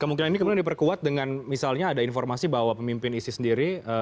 kemungkinan ini kemudian diperkuat dengan misalnya ada informasi bahwa pemimpin isis sendiri